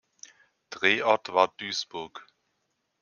Drehort war Duisburg.